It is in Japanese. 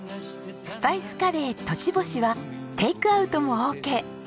スパイスカレー栃星はテイクアウトもオーケー。